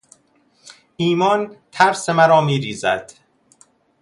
ایمان ترس مرا میریزد.